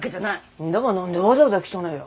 んだば何でわざわざ来たなや？